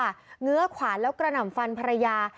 ื้อขวานแล้วกระหน่ำฟันภรรยา